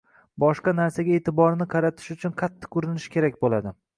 boshqa narsaga e’tiborini qaratish uchun qattiq urinish kerak bo‘ladi.